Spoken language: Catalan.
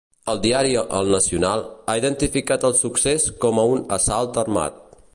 El diari ‘El Nacional’ ha identificat el succés com a un “assalt armat”.